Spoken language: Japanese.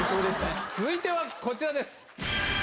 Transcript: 続いてはこちらです！